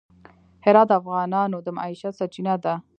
هرات د افغانانو د معیشت سرچینه ده.